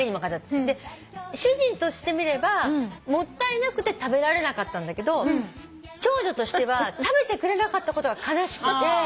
主人としてみればもったいなくて食べられなかったんだけど長女としては食べてくれなかったことが悲しくて。